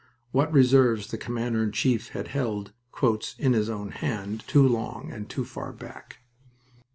What reserves the Commander in Chief had he held "in his own hand" too long and too far back.